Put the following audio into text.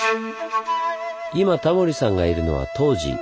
今タモリさんがいるのは東寺。